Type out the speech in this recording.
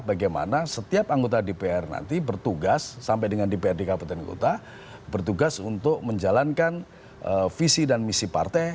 bagaimana setiap anggota dpr nanti bertugas sampai dengan dprd kabupaten kota bertugas untuk menjalankan visi dan misi partai